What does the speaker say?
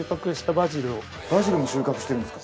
バジルも収穫してるんですか？